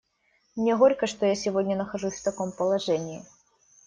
Мне горько, что я сегодня нахожусь в таком положении.